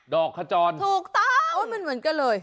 ดอกขจรถูกต้องเป็นอย่างนั้นเลย